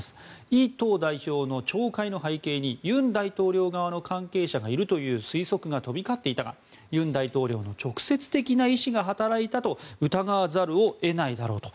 イ党代表の懲戒の背景に尹大統領側の関係者がいるという推測が飛び交っていたが尹大統領の直接的な意思が働いたと疑わざるを得ないだろうと。